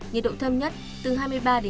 nhiệt độ thâm nhất từ hai mươi ba hai mươi sáu độ